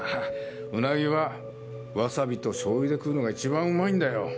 ウナギはわさびと醤油で食うのが一番うまいんだよ。